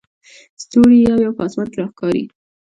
ستوري یو یو په اسمان کې راښکاري.